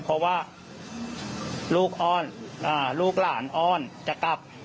เพราะว่าลูกอ้อนลูกหลานอ้อนจะกลับ